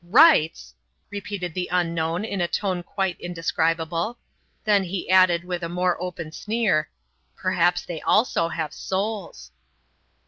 "Rights!" repeated the unknown in a tone quite indescribable. Then he added with a more open sneer: "Perhaps they also have souls."